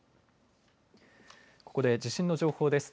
ここで地震の情報です。